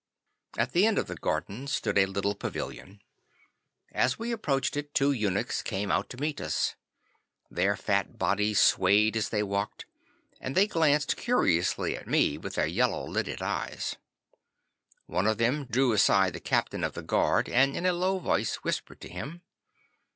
'At the end of the garden stood a little pavilion. As we approached it two eunuchs came out to meet us. Their fat bodies swayed as they walked, and they glanced curiously at me with their yellow lidded eyes. One of them drew aside the captain of the guard, and in a low voice whispered to him.